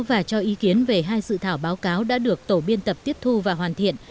và cho ý kiến về hai dự thảo báo cáo đã được tổ biên tập tiếp thu và hoàn thiện